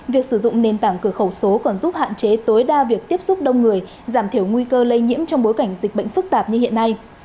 việc sử dụng nền tảng cửa khẩu số còn giúp hạn chế tối đa việc tiếp xúc đông người giảm thiểu nguy cơ lây nhiễm trong bối cảnh dịch bệnh phức tạp như hiện nay